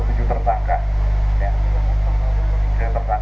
kemudian perangkat tersebut terrealisir